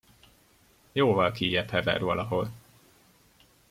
Jóval kijjebb hever valahol.